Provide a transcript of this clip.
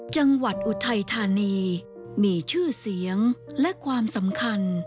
อุทัยธานีมีชื่อเสียงและความสำคัญ